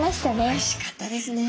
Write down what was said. おいしかったですね。